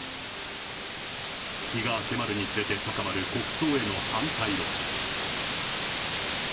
日が迫るにつれて高まる国葬への反対論。